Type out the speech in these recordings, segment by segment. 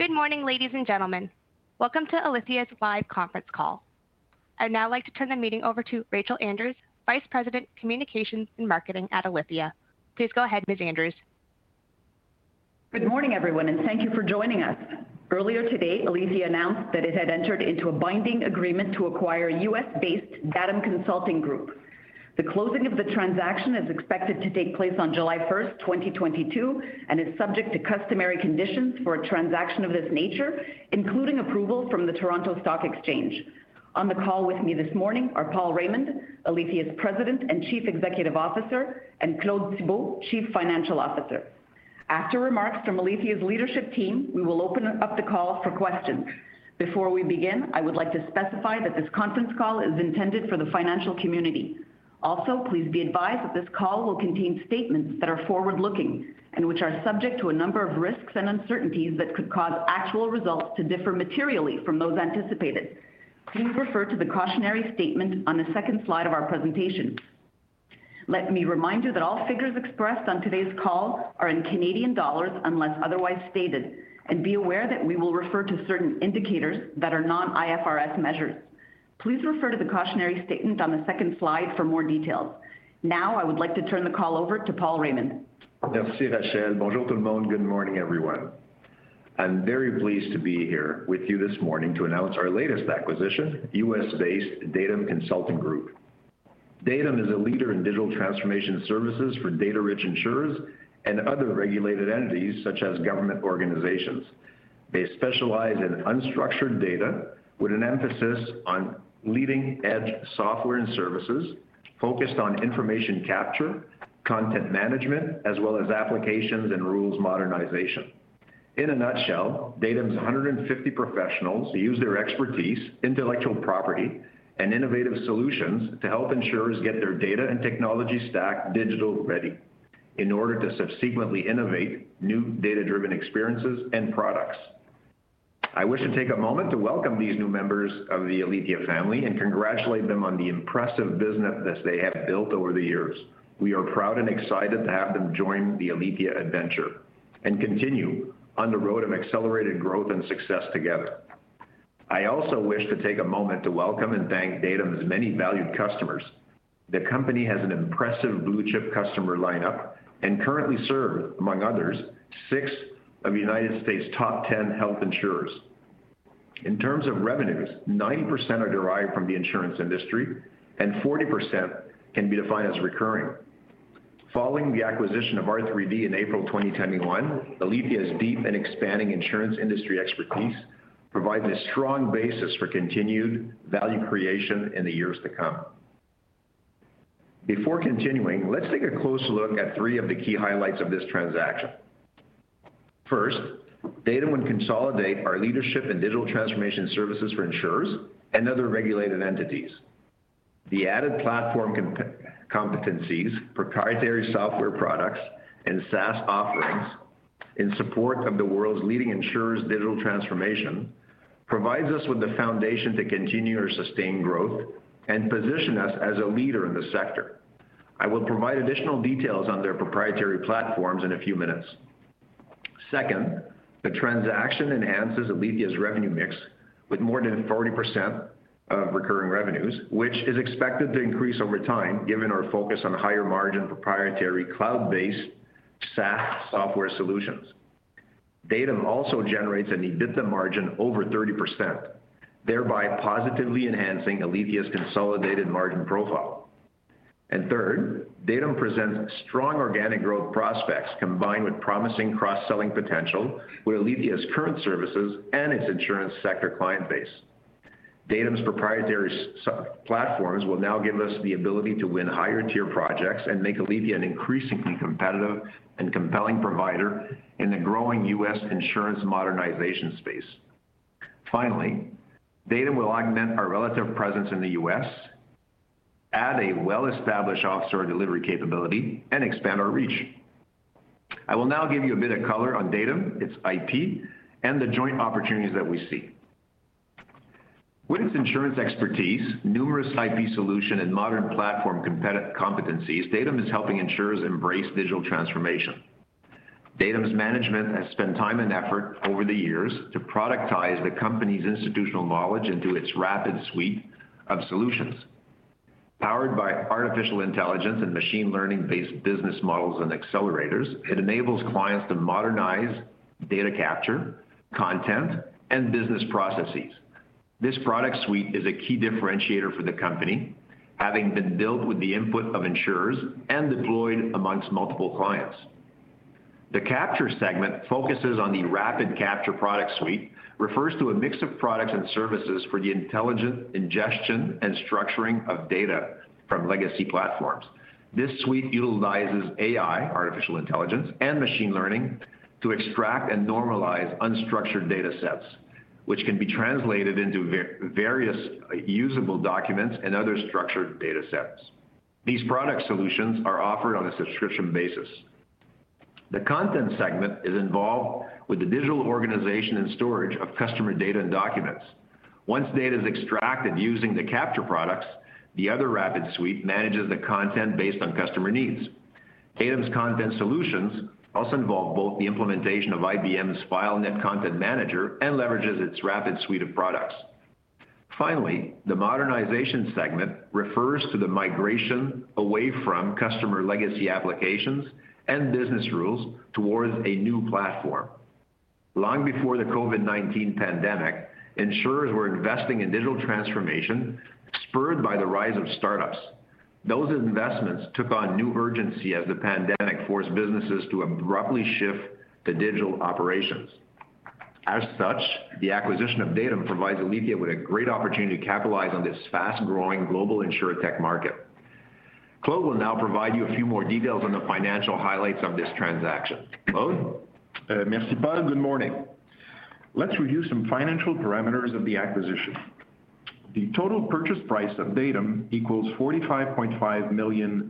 Good morning, ladies and gentlemen. Welcome to Alithya's live conference call. I'd now like to turn the meeting over to Rachel Andrews, Vice President, Communications and Marketing, at Alithya. Please go ahead, Ms. Andrews. Good morning, everyone, and thank you for joining us. Earlier today, Alithya announced that it had entered into a binding agreement to acquire US-based Datum Consulting Group. The closing of the transaction is expected to take place on July 1st, 2022 and is subject to customary conditions for a transaction of this nature, including approval from the Toronto Stock Exchange. On the call with me this morning are Paul Raymond, Alithya's President and Chief Executive Officer, and Claude Thibault, Chief Financial Officer. After remarks from Alithya's leadership team, we will open up the call for questions. Before we begin, I would like to specify that this conference call is intended for the financial community. Also, please be advised that this call will contain statements that are forward-looking and which are subject to a number of risks and uncertainties that could cause actual results to differ materially from those anticipated. Please refer to the cautionary statement on the second slide of our presentation. Let me remind you that all figures expressed on today's call are in Canadian dollars unless otherwise stated, and be aware that we will refer to certain indicators that are non-IFRS measures. Please refer to the cautionary statement on the second slide for more details. Now, I would like to turn the call over to Paul Raymond. Merci, Rachel. Bonjour, tout le monde. Good morning, everyone. I'm very pleased to be here with you this morning to announce our latest acquisition, US-based Datum Consulting Group. Datum is a leader in digital transformation services for data-rich insurers and other regulated entities, such as government organizations. They specialize in unstructured data with an emphasis on leading-edge software and services focused on information capture, content management, as well as applications and rules modernization. In a nutshell, Datum's 150 professionals use their expertise, intellectual property, and innovative solutions to help insurers get their data and technology stack digital ready in order to subsequently innovate new data-driven experiences and products. I wish to take a moment to welcome these new members of the Alithya family and congratulate them on the impressive business they have built over the years. We are proud and excited to have them join the Alithya adventure and continue on the road of accelerated growth and success together. I also wish to take a moment to welcome and thank Datum's many valued customers. The company has an impressive blue-chip customer lineup and currently serve, among others, six of United States' top 10 health insurers. In terms of revenues, 90% are derived from the insurance industry and 40% can be defined as recurring. Following the acquisition of R3D in April 2021, Alithya's deep and expanding insurance industry expertise provides a strong basis for continued value creation in the years to come. Before continuing, let's take a close look at three of the key highlights of this transaction. First, Datum would consolidate our leadership in digital transformation services for insurers and other regulated entities. The added platform competencies, proprietary software products, and SaaS offerings in support of the world's leading insurers' digital transformation provides us with the foundation to continue our sustained growth and position us as a leader in the sector. I will provide additional details on their proprietary platforms in a few minutes. Second, the transaction enhances Alithya's revenue mix with more than 40% of recurring revenues, which is expected to increase over time given our focus on higher margin proprietary cloud-based SaaS software solutions. Datum also generates an EBITDA margin over 30%, thereby positively enhancing Alithya's consolidated margin profile. Third, Datum presents strong organic growth prospects combined with promising cross-selling potential with Alithya's current services and its insurance sector client base. Datum's proprietary SaaS platforms will now give us the ability to win higher-tier projects and make Alithya an increasingly competitive and compelling provider in the growing U.S. insurance modernization space. Finally, Datum will augment our relative presence in the U.S., add a well-established offshore delivery capability, and expand our reach. I will now give you a bit of color on Datum, its IP, and the joint opportunities that we see. With its insurance expertise, numerous IP solutions, and modern platform competencies, Datum is helping insurers embrace digital transformation. Datum's management has spent time and effort over the years to productize the company's institutional knowledge into its RAPID suite of solutions. Powered by artificial intelligence and machine learning-based business models and accelerators, it enables clients to modernize data capture, content, and business processes. This product suite is a key differentiator for the company, having been built with the input of insurers and deployed among multiple clients. The capture segment focuses on the RAPIDCAPTURE product suite, refers to a mix of products and services for the intelligent ingestion and structuring of data from legacy platforms. This suite utilizes AI, artificial intelligence, and machine learning to extract and normalize unstructured datasets, which can be translated into various usable documents and other structured datasets. These product solutions are offered on a subscription basis. The content segment is involved with the digital organization and storage of customer data and documents. Once data is extracted using the capture products, the RAPID suite manages the content based on customer needs. Datum's content solutions also involve both the implementation of IBM's FileNet Content Manager and leverages its RAPID suite of products. Finally, the modernization segment refers to the migration away from customer legacy applications and business rules towards a new platform. Long before the COVID-19 pandemic, insurers were investing in digital transformation spurred by the rise of startups. Those investments took on new urgency as the pandemic forced businesses to abruptly shift to digital operations. As such, the acquisition of Datum provides Alithya with a great opportunity to capitalize on this fast-growing global InsurTech market. Claude will now provide you a few more details on the financial highlights of this transaction. Claude? Merci Paul. Good morning. Let's review some financial parameters of the acquisition. The total purchase price of Datum equals $45.5 million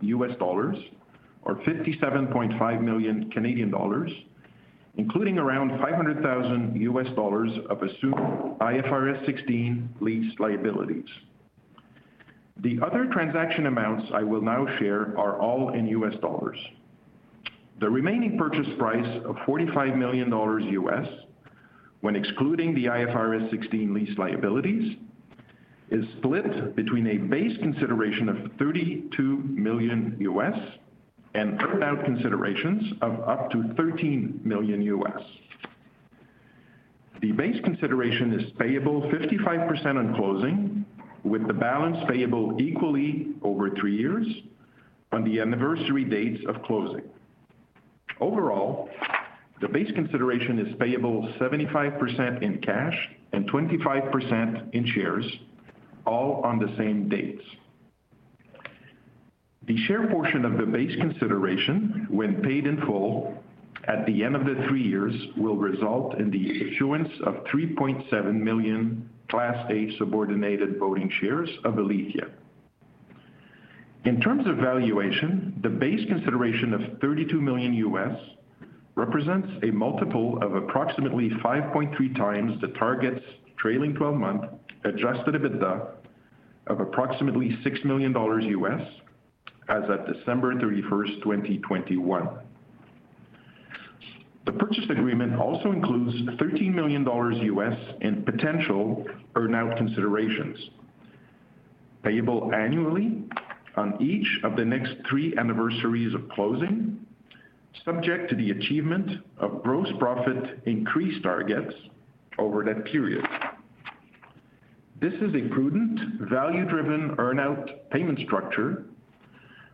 or 57.5 million Canadian dollars, including around $500,000 of assumed IFRS 16 lease liabilities. The other transaction amounts I will now share are all in US dollars. The remaining purchase price of $45 million, when excluding the IFRS 16 lease liabilities, is split between a base consideration of $32 million and earn-out considerations of up to $13 million. The base consideration is payable 55% on closing, with the balance payable equally over three years on the anniversary dates of closing. Overall, the base consideration is payable 75% in cash and 25% in shares, all on the same dates. The share portion of the base consideration, when paid in full at the end of the three years, will result in the issuance of 3.7 million Class A subordinate voting shares of Alithya. In terms of valuation, the base consideration of $32 million represents a multiple of approximately 5.3x the target's trailing 12-month adjusted EBITDA of approximately $6 million as of December 31st, 2021. The purchase agreement also includes $13 million in potential earn-out considerations, payable annually on each of the next three anniversaries of closing, subject to the achievement of gross profit increase targets over that period. This is a prudent, value-driven earn-out payment structure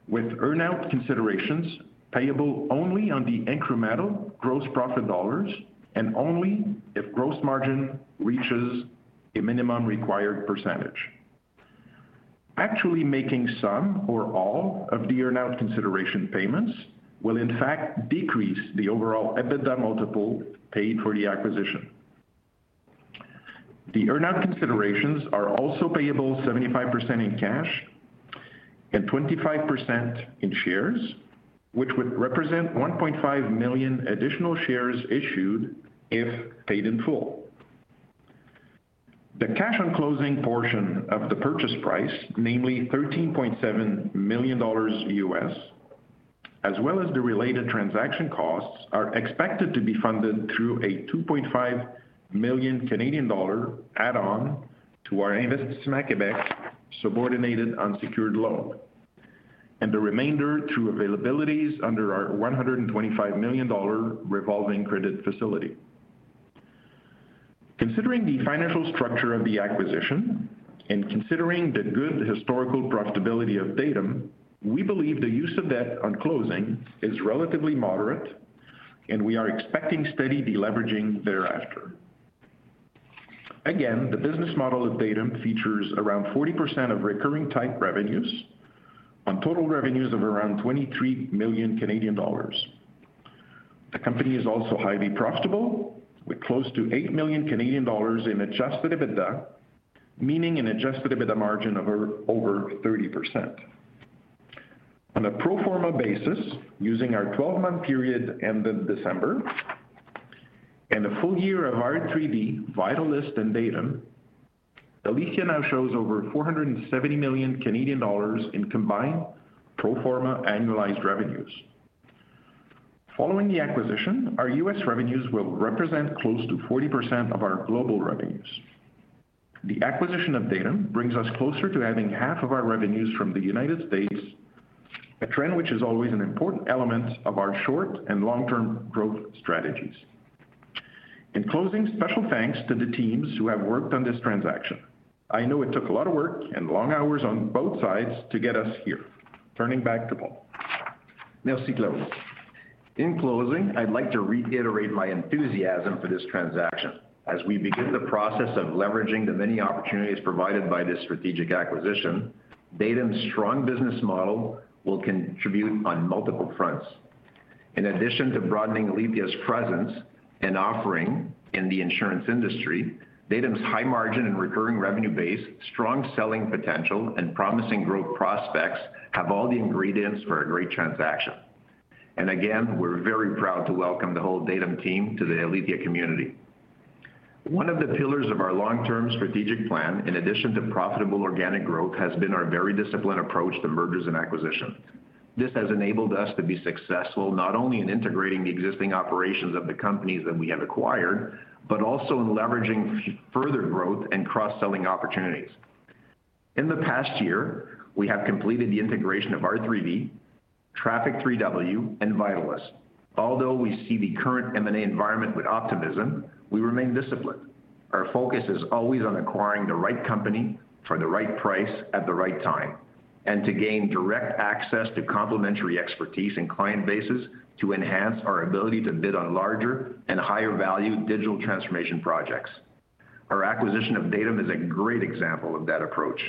with earn-out considerations payable only on the incremental gross profit dollars and only if gross margin reaches a minimum required percentage. Actually making some or all of the earn-out consideration payments will, in fact, decrease the overall EBITDA multiple paid for the acquisition. The earn-out considerations are also payable 75% in cash and 25% in shares, which would represent 1.5 million additional shares issued if paid in full. The cash on closing portion of the purchase price, namely $13.7 million, as well as the related transaction costs, are expected to be funded through a 2.5 million Canadian dollar add on to our Investissement Québec subordinated unsecured loan, and the remainder through availabilities under our 125 million dollar revolving credit facility. Considering the financial structure of the acquisition and considering the good historical profitability of Datum, we believe the use of debt on closing is relatively moderate and we are expecting steady deleveraging thereafter. Again, the business model of Datum features around 40% of recurring type revenues on total revenues of around 23 million Canadian dollars. The company is also highly profitable, with close to 8 million Canadian dollars in adjusted EBITDA, meaning an adjusted EBITDA margin of over 30%. On a pro forma basis, using our 12-month period ended December, and a full year of R3D, Vitalyst, and Datum, Alithya now shows over 470 million Canadian dollars in combined pro forma annualized revenues. Following the acquisition, our U.S. revenues will represent close to 40% of our global revenues. The acquisition of Datum brings us closer to having half of our revenues from the United States, a trend which is always an important element of our short and long-term growth strategies. In closing, special thanks to the teams who have worked on this transaction. I know it took a lot of work and long hours on both sides to get us here. Turning back to Paul. Merci, Claude. In closing, I'd like to reiterate my enthusiasm for this transaction. As we begin the process of leveraging the many opportunities provided by this strategic acquisition, Datum's strong business model will contribute on multiple fronts. In addition to broadening Alithya's presence and offering in the insurance industry, Datum's high margin and recurring revenue base, strong selling potential, and promising growth prospects have all the ingredients for a great transaction. Again, we're very proud to welcome the whole Datum team to the Alithya community. One of the pillars of our long-term strategic plan, in addition to profitable organic growth, has been our very disciplined approach to mergers and acquisitions. This has enabled us to be successful, not only in integrating the existing operations of the companies that we have acquired, but also in leveraging further growth and cross-selling opportunities. In the past year, we have completed the integration of R3D, Trafic 3W, and Vitalyst. Although we see the current M&A environment with optimism, we remain disciplined. Our focus is always on acquiring the right company for the right price at the right time, and to gain direct access to complementary expertise and client bases to enhance our ability to bid on larger and higher value digital transformation projects. Our acquisition of Datum is a great example of that approach.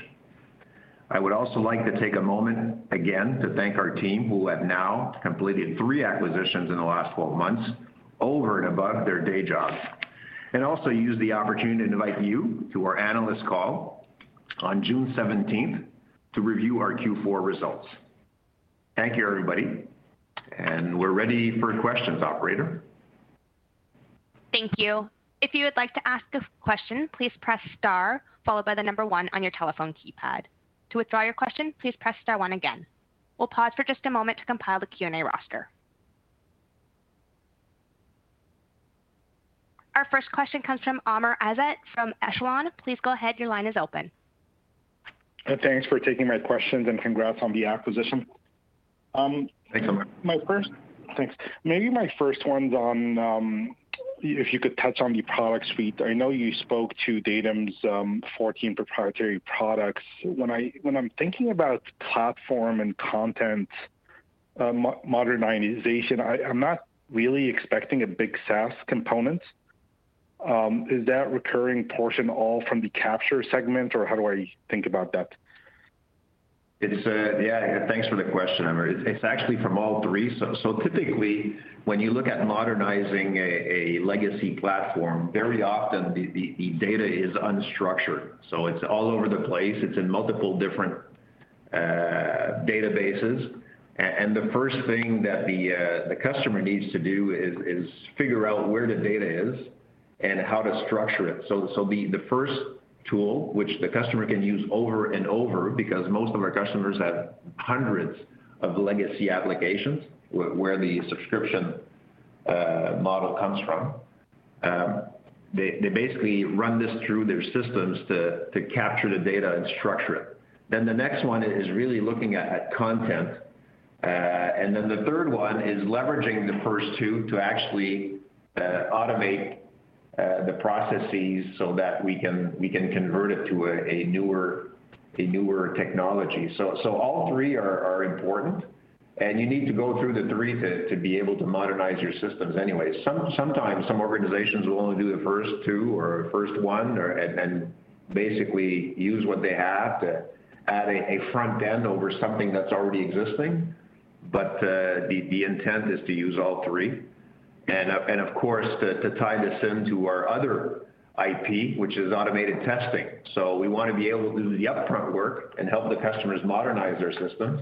I would also like to take a moment again to thank our team who have now completed three acquisitions in the last twelve months over and above their day jobs. Also use the opportunity to invite you to our analyst call on June 17th to review our Q4 results. Thank you, everybody, and we're ready for questions, operator. Thank you. If you would like to ask a question, please press star followed by the number one on your telephone keypad. To withdraw your question, please press star one again. We'll pause for just a moment to compile the Q&A roster. Our first question comes from Amr Ezzat from Echelon. Please go ahead, your line is open. Thanks for taking my questions, and congrats on the acquisition. Thanks, Amr. Thanks. Maybe my first one's on if you could touch on the product suite. I know you spoke to Datum's 14 proprietary products. When I'm thinking about platform and content modernization, I'm not really expecting a big SaaS component. Is that recurring portion all from the capture segment, or how do I think about that? Yeah, thanks for the question, Amr. It's actually from all three. Typically when you look at modernizing a legacy platform, very often the data is unstructured, so it's all over the place. It's in multiple different databases. The first thing that the customer needs to do is figure out where the data is and how to structure it. The first tool which the customer can use over and over, because most of our customers have hundreds of legacy applications where the subscription model comes from, they basically run this through their systems to capture the data and structure it. The next one is really looking at content. The third one is leveraging the first two to actually automate the processes so that we can convert it to a newer technology. All three are important, and you need to go through the three to be able to modernize your systems anyway. Sometimes some organizations will only do the first two or first one, and basically use what they have to add a front end over something that's already existing. The intent is to use all three and of course to tie this into our other IP, which is automated testing. We want to be able to do the upfront work and help the customers modernize their systems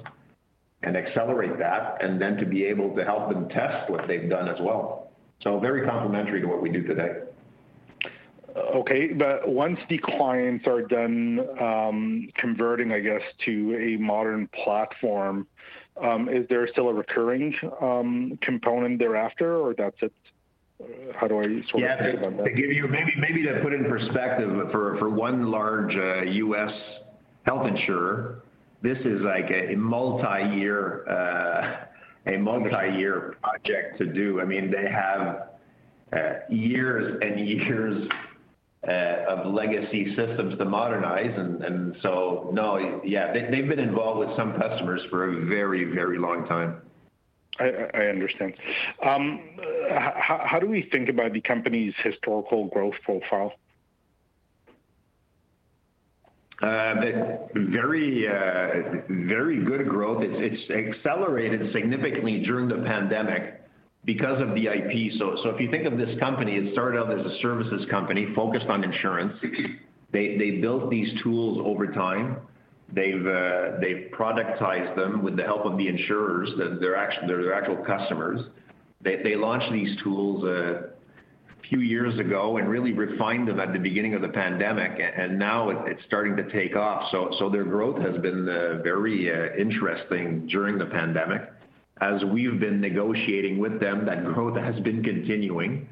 and accelerate that and then to be able to help them test what they've done as well. Very complementary to what we do today. Okay. Once the clients are done, converting, I guess, to a modern platform, is there still a recurring component thereafter or that's it? How do I sort of think about that? Yeah. To give you maybe to put it in perspective for one large US health insurer, this is like a multi-year project to do. I mean, they have years and years of legacy systems to modernize. No, yeah, they've been involved with some customers for a very, very long time. I understand. How do we think about the company's historical growth profile? The very good growth. It's accelerated significantly during the pandemic because of the IP. If you think of this company, it started out as a services company focused on insurance. They built these tools over time. They've productized them with the help of the insurers, their actual customers. They launched these tools a few years ago and really refined them at the beginning of the pandemic, and now it's starting to take off. Their growth has been very interesting during the pandemic. As we've been negotiating with them, that growth has been continuing.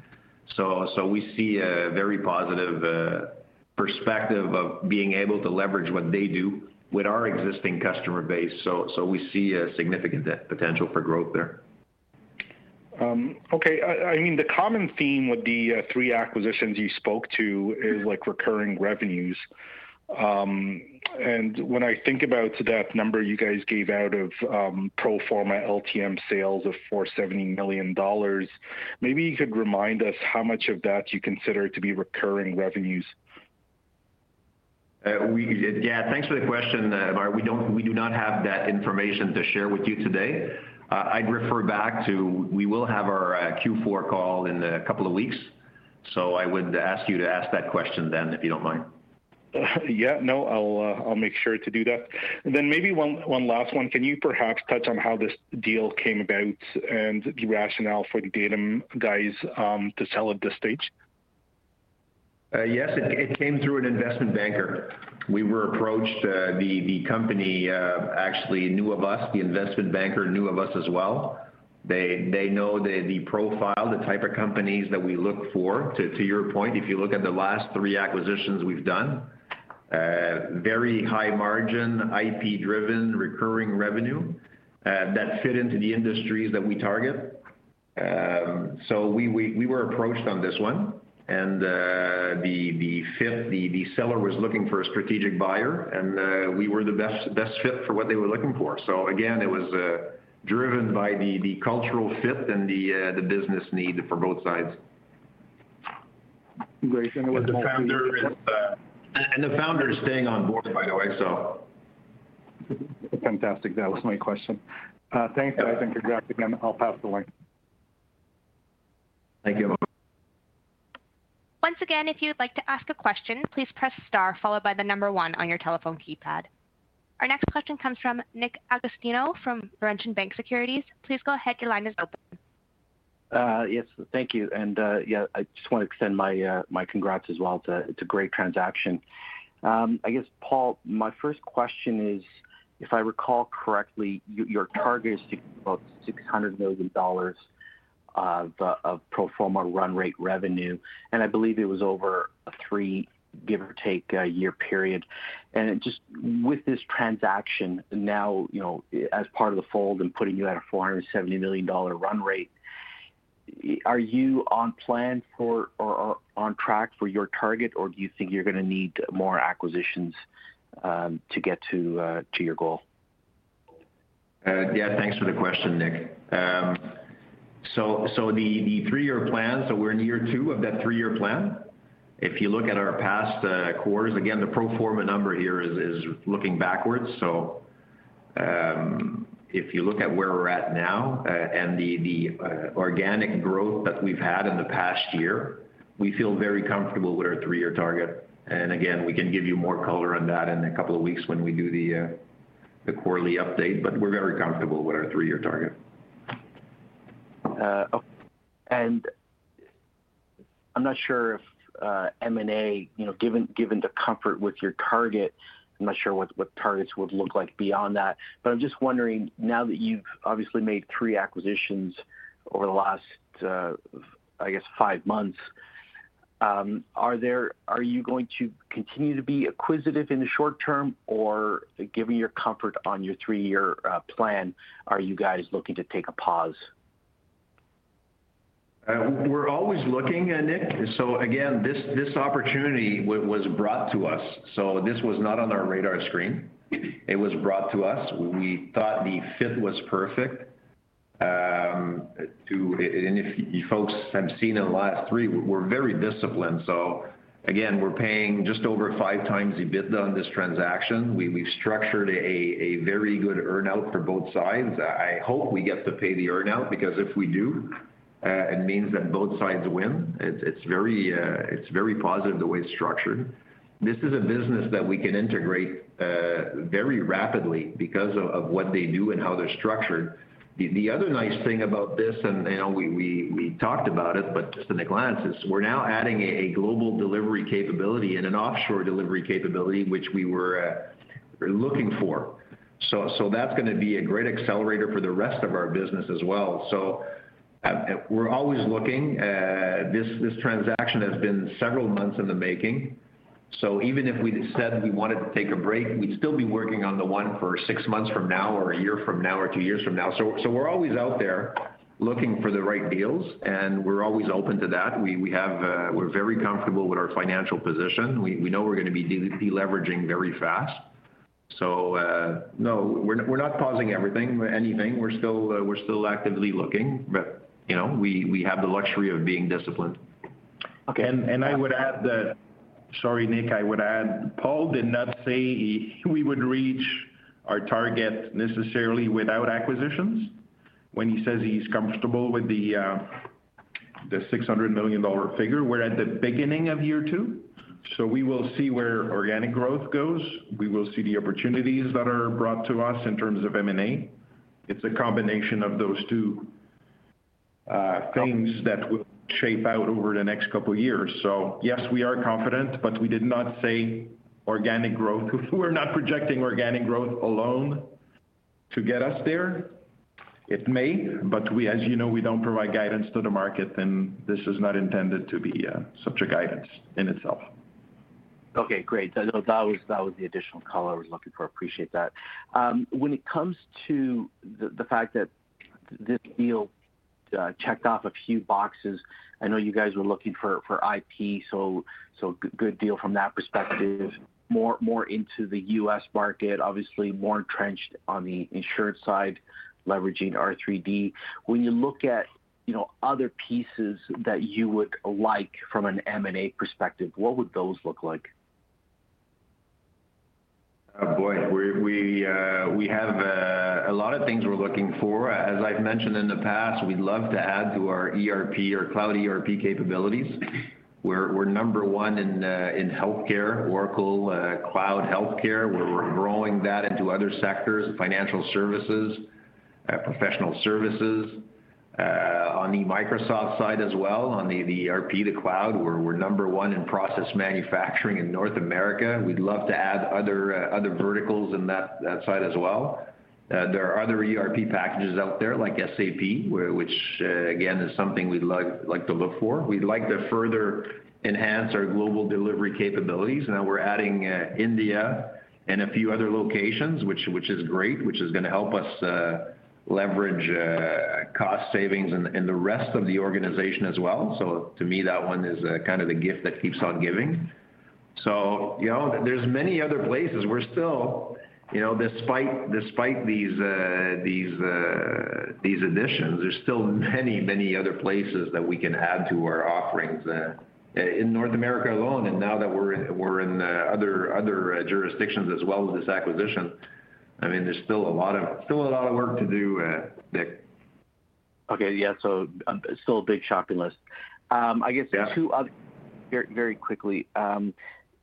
We see a very positive perspective of being able to leverage what they do with our existing customer base. We see a significant potential for growth there. Okay. I mean the common theme with the three acquisitions you spoke to is like recurring revenues. When I think about that number you guys gave out of pro forma LTM sales of 470 million dollars, maybe you could remind us how much of that you consider to be recurring revenues. Thanks for the question, Amr. We do not have that information to share with you today. I'd refer back to we will have our Q4 call in a couple of weeks, so I would ask you to ask that question then, if you don't mind. Yeah, no, I'll make sure to do that. Then maybe one last one. Can you perhaps touch on how this deal came about and the rationale for the Datum guys to sell at this stage? Yes. It came through an investment banker. We were approached, the company actually knew of us. The investment banker knew of us as well. They know the profile, the type of companies that we look for. To your point, if you look at the last three acquisitions we've done, very high margin, IP-driven, recurring revenue, that fit into the industries that we target. We were approached on this one and the seller was looking for a strategic buyer, and we were the best fit for what they were looking for. Again, it was driven by the cultural fit and the business need for both sides. Great. The founder is staying on board, by the way, so. Fantastic. That was my question. Thanks guys and congrats again. I'll pass the line. Thank you. Once again, if you'd like to ask a question, please press star followed by the number one on your telephone keypad. Our next question comes from Nick Agostino from Laurentian Bank Securities. Please go ahead. Your line is open. Yes. Thank you. Yeah, I just wanna extend my congrats as well. It's a great transaction. I guess, Paul, my first question is, if I recall correctly, your target is to about 600 million dollars of pro forma run rate revenue, and I believe it was over a three, give or take, year period. Just with this transaction now, you know, as part of the fold and putting you at a 470 million dollar run rate, are you on plan for or on track for your target, or do you think you're gonna need more acquisitions to get to your goal? Yeah, thanks for the question, Nick. So the three-year plan, we're in year two of that three-year plan. If you look at our past quarters, again, the pro forma number here is looking backwards. If you look at where we're at now, and the organic growth that we've had in the past year, we feel very comfortable with our three-year target. Again, we can give you more color on that in a couple of weeks when we do the quarterly update, but we're very comfortable with our three-year target. I'm not sure if M&A, you know, given the comfort with your target, I'm not sure what targets would look like beyond that, but I'm just wondering now that you've obviously made three acquisitions over the last, I guess, five months, are you going to continue to be acquisitive in the short term, or given your comfort on your three-year plan, are you guys looking to take a pause? We're always looking, Nick. This opportunity was brought to us. This was not on our radar screen. It was brought to us. We thought the fit was perfect. If you folks have seen in the last three, we're very disciplined. We're paying just over 5x the EBITDA on this transaction. We've structured a very good earn-out for both sides. I hope we get to pay the earn-out because if we do, it means that both sides win. It's very positive the way it's structured. This is a business that we can integrate very rapidly because of what they do and how they're structured. The other nice thing about this, and, you know, we talked about it, but just at a glance, is we're now adding a global delivery capability and an offshore delivery capability, which we were looking for. That's gonna be a great accelerator for the rest of our business as well. We're always looking. This transaction has been several months in the making. Even if we decided we wanted to take a break, we'd still be working on the one for six months from now or a year from now or two years from now. We're always out there looking for the right deals, and we're always open to that. We have, we're very comfortable with our financial position. We know we're gonna be deleveraging very fast. No, we're not pausing everything or anything. We're still actively looking, but you know, we have the luxury of being disciplined. Okay. I would add that. Sorry, Nick. Paul did not say we would reach our target necessarily without acquisitions. When he says he's comfortable with the 600 million dollar figure, we're at the beginning of year two, so we will see where organic growth goes. We will see the opportunities that are brought to us in terms of M&A. It's a combination of those two things that will shape out over the next couple of years. Yes, we are confident, but we did not say organic growth. We're not projecting organic growth alone to get us there. It may, but we, as you know, we don't provide guidance to the market, and this is not intended to be such a guidance in itself. Okay, great. That was the additional color I was looking for. Appreciate that. When it comes to the fact that this deal checked off a few boxes, I know you guys were looking for IP, so good deal from that perspective. More into the U.S. market, obviously more entrenched on the insurance side, leveraging R3D. When you look at, you know, other pieces that you would like from an M&A perspective, what would those look like? Oh, boy. We have a lot of things we're looking for. As I've mentioned in the past, we'd love to add to our ERP or cloud ERP capabilities. We're number one in healthcare, Oracle cloud healthcare. We're growing that into other sectors, financial services, professional services. On the Microsoft side as well, on the ERP, the cloud, we're number one in process manufacturing in North America. We'd love to add other verticals in that side as well. There are other ERP packages out there like SAP, which again is something we'd like to look for. We'd like to further enhance our global delivery capabilities. Now we're adding India and a few other locations, which is great, which is gonna help us leverage cost savings in the rest of the organization as well. To me, that one is kind of the gift that keeps on giving. You know, there's many other places. We're still, you know, despite these additions, there's still many other places that we can add to our offerings in North America alone. Now that we're in other jurisdictions as well as this acquisition, I mean, there's still a lot of work to do, Nick. Okay. Yeah. Still a big shopping list. I guess. Yeah. Two other, very quickly.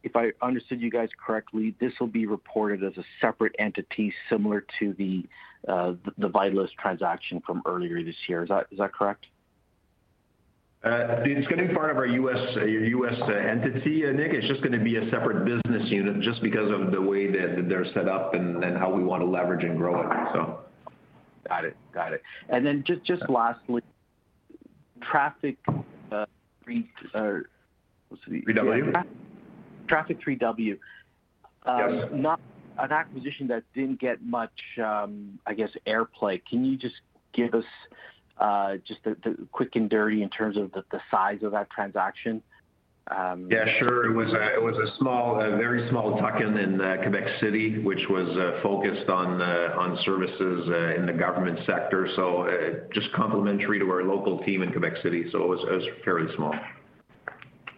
If I understood you guys correctly, this will be reported as a separate entity similar to the Vitalyst transaction from earlier this year. Is that correct? It's gonna be part of our U.S. entity, Nick. It's just gonna be a separate business unit just because of the way that they're set up and how we wanna leverage and grow it. Got it. Just lastly, Trafic 3W, or what's the- 3W. Trafic 3W. Yes. Not an acquisition that didn't get much, I guess, airplay. Can you just give us just the quick and dirty in terms of the size of that transaction? Yeah, sure. It was a small, very small tuck-in in Quebec City, which was focused on services in the government sector. Just complementary to our local team in Quebec City. It was fairly small.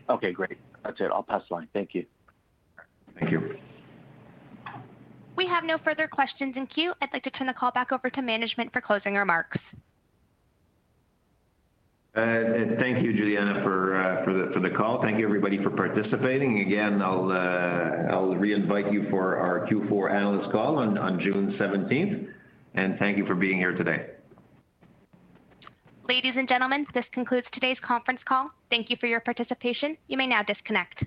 Okay, great. That's it. I'll pass the line. Thank you. Thank you. We have no further questions in queue. I'd like to turn the call back over to management for closing remarks. Thank you, Juliana, for the call. Thank you, everybody, for participating. Again, I'll reinvite you for our Q4 analyst call on June 17th. Thank you for being here today. Ladies and gentlemen, this concludes today's conference call. Thank you for your participation. You may now disconnect.